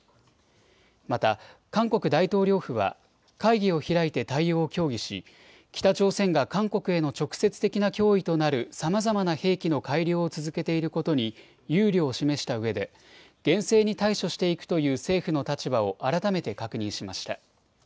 また韓国大統領府は会議を開いて対応を協議し北朝鮮が韓国への直接的な脅威となるさまざまな兵器の改良を続けていることに憂慮を示したうえで厳正に対処していくという政府の立場を改めて確認しました。